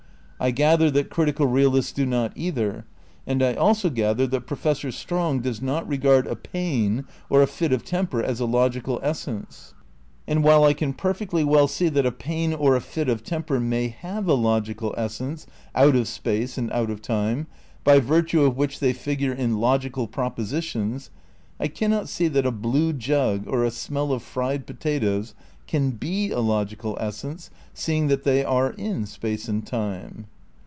I gather that critical reahsts do not either, and I also gather that Profes sor Strong does not regard a pain or a fit of temper as a logical essence, and while I can perfectly well see that a pain or a fit of temper may have a logical essence out of space and out of time by virtue of which they figure in logical propositions, I cannot see that a blue jug or a smeU of fried potatoes can be a logical es sence, seeing that they are in space and time.